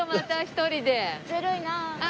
ずるいなあ。